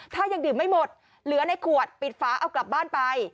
ถ้ายังดื่มไม่หมดเหลือในขวดปิดฝาเอากลับบ้านไป